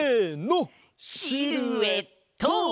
シルエット！